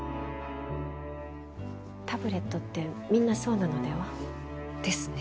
タブレットってみんなそうなのでは？ですね。